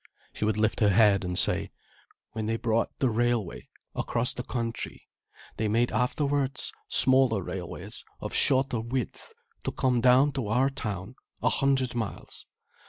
She would lift her head and say: "When they brought the railway across the country, they made afterwards smaller railways, of shorter width, to come down to our town—a hundred miles.